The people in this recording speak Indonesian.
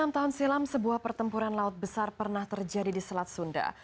enam tahun silam sebuah pertempuran laut besar pernah terjadi di selat sunda